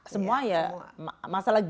semua ya masalah